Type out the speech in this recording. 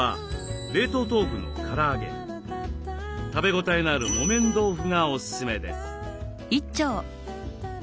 作るのは食べ応えのある木綿豆腐がおすすめです。